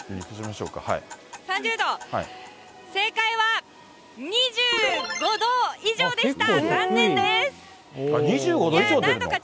３０度、正解は２５度以上でした。